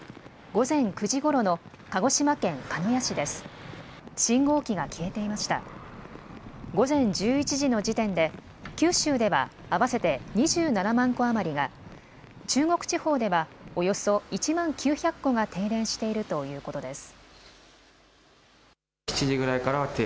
午前１１時の時点で九州では合わせて２７万戸余りが、中国地方ではおよそ１万９００戸が停電しているということです。